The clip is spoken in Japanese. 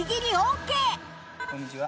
こんにちは。